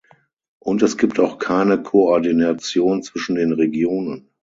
Und es gibt auch keine Koordination zwischen den Regionen.